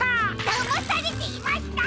だまされていました！